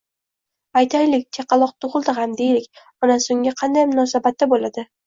Aytaylik, chaqaloq tug`ildi ham deylik, onasi unga qanday munosabatda bo`ladi